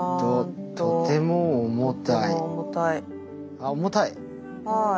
あ重たい。